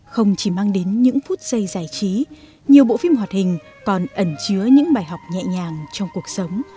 không chỉ mang đến những phút giây giải trí nhiều bộ phim hoạt hình còn ẩn chứa những bài học nhẹ nhàng trong cuộc sống